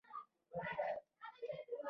نغمه یوه مشهوره افغان سندرغاړې ده